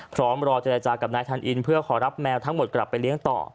พร้อมรอเจรจากับนายทันอินเพื่อขอรับแมวทั้งหมดกลับไปเลี้ยงต่อ